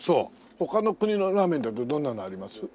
他の国のラーメンってどんなのあります？